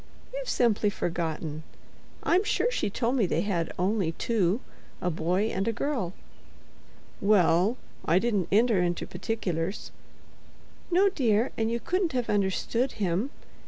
"You've simply forgotten. I'm sure she told me they had only two—a boy and a girl." "Well, I didn't enter into particulars." "No, dear, and you couldn't have understood him.